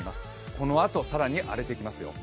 このあと更に荒れてきますよ。